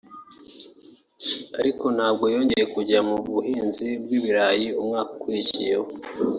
ariko ntabwo yongera kujya mu buhinzi bw’ibirayi umwaka ukurikiyeho